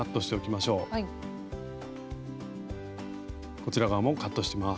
こちら側もカットします。